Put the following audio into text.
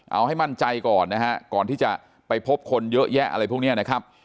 เอาให้มั่นใจก่อนนะฮะก่อนที่จะไปพบคนเยอะแยะอะไรพวกนี้นะครับ